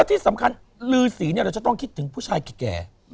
ที่สำคัญลือสีเราจะต้องคิดถึงผู้ชายแก่